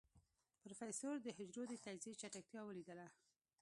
پروفيسر د حجرو د تجزيې چټکتيا وليدله.